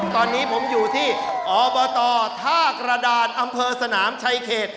ตอนนี้ผมอยู่ที่อบตท่ากระดานอำเภอสนามชายเขต